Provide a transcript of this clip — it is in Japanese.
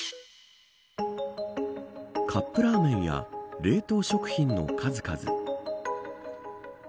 カップラーメンや冷凍食品の数々。